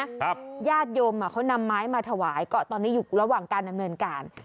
ญาติโยมอ่ะเขานำไม้มาถวายก็ตอนนี้อยู่ระหว่างการดำเนินการ